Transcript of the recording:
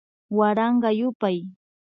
Waranka yupay